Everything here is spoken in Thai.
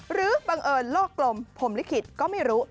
หรือบังเอิญโลกกลมผมหรือขิดก็ไม่รู้